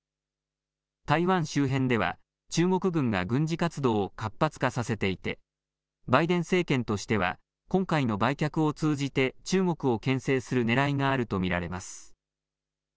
台湾周辺では中国軍が軍事活動を活発化させていてバイデン政権としては今回の売却を通じて中国をけん制するねらいがあると見られます。